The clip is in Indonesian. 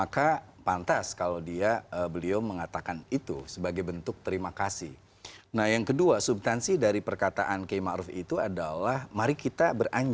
tapi saya akan kasih kesempatan ke maman